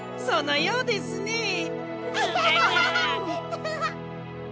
そのようですね。